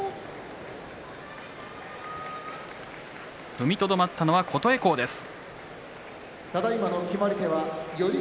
踏みとどまったのは琴恵光です。